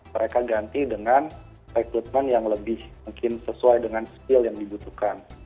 mereka ganti dengan rekrutmen yang lebih mungkin sesuai dengan skill yang dibutuhkan